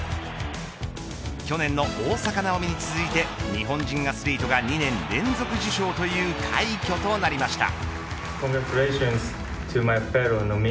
去年の大坂なおみに続いて日本人アスリートが２年連続受賞という快挙となりました。